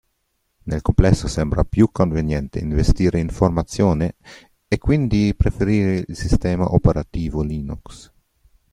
Nel complesso sembra più conveniente investire in formazione, e quindi preferire il sistema operativo Linux.